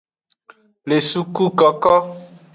Le sukukoko.